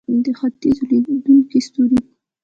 د ختیځ ځلیدونکی ستوری.